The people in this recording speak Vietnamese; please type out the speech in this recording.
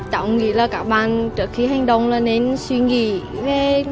cháu nghĩ là các bạn trước khi hành động là nên suy nghĩ